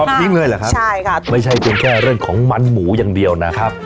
ทิ้งเลยเหรอครับใช่ครับไม่ใช่เพียงแค่เรื่องของมันหมูอย่างเดียวนะครับ